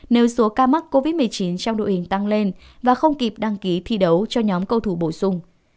nếu số ca mắc covid một mươi chín trong đội hình tăng lên và không kịp đăng ký thi đấu cho nhóm cầu thủ bổ sung